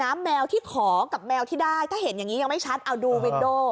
แมวที่ขอกับแมวที่ได้ถ้าเห็นอย่างนี้ยังไม่ชัดเอาดูวินโด